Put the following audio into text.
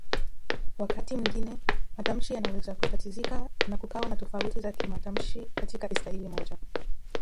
Wakati mwingine matamshi yanaweza kutatizika na kukawa na tofauti za kimatamshi katika istilahi moja